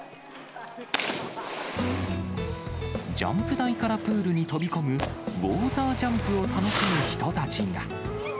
ジャンプ台からプールに飛び込む、ウォータージャンプを楽しむ人たちが。